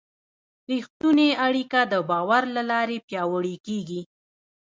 رښتونې اړیکه د باور له لارې پیاوړې کېږي.